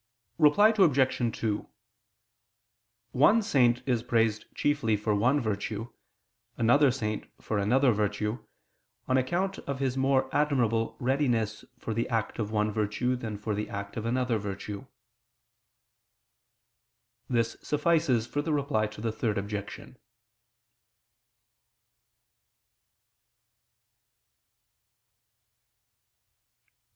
Reply Obj. 2: One saint is praised chiefly for one virtue, another saint for another virtue, on account of his more admirable readiness for the act of one virtue than for the act of another virtue. This suffices for the Reply to the Third Objection.